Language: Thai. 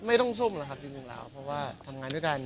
ไม่ต้องอาจเปลี่ยนหรอเพราะว่ามันก็ทำงานด้วยกัน